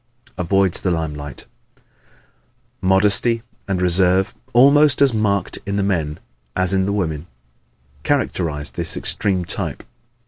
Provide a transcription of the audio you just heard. Avoids the Limelight ¶ Modesty and reserve, almost as marked in the men as in the women, characterize this extreme type.